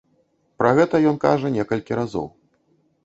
Пра гэта ён кажа некалькі разоў.